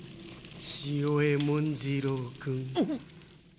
・潮江文次郎君。